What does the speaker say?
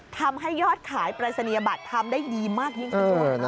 ทำให้ยอดขายปรายศนียบัตรทำได้ดีมากยิ่งสุด